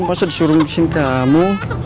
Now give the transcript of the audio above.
masa disuruh ngusin kamu